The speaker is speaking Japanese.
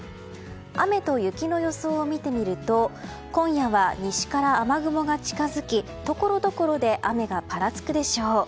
雨と雪の予想を見てみると今夜は西から雨雲が近づきところどころで雨がぱらつくでしょう。